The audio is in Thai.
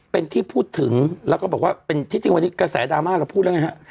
เป็นที่พูดถึงแล้วก็บอกว่าเป็นที่จริงวันนี้กระแสดราม่าเราพูดแล้วไงฮะ